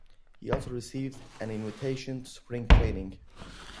He also received an invitation to spring training.